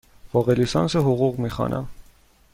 فوق لیسانس حقوق می خوانم.